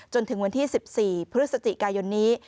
จนถึงวันที่๑๔พฤศจิกายนนี้